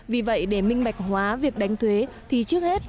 vì vậy để minh bạch hóa việc đánh thuế thì trước hết